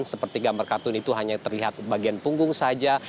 seperti gambar kartun itu hanya terlihat bagian punggung saja